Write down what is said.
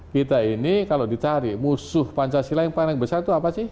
kita ini kalau dicari musuh pancasila yang paling besar itu apa sih